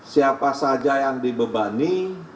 siapa saja yang dibebani